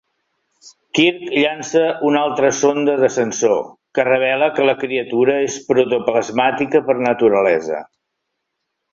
Kirk llança una altra sonda de sensor, que revela que la criatura és protoplasmàtica per naturalesa.